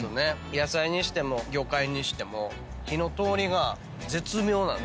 野菜にしても魚介にしても火の通りが絶妙なんですよ。